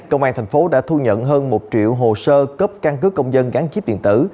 công an thành phố đã thu nhận hơn một triệu hồ sơ cấp căn cứ công dân gắn chip điện tử